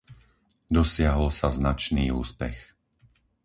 Dosiahol sa značný úspech.